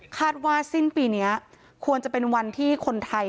คาดว่าสิ้นปีนี้ควรจะเป็นวันที่คนไทย